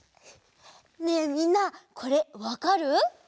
ねえみんなこれわかる？